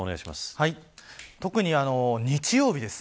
特に日曜日です。